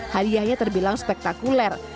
hadiahnya terbilang spektakuler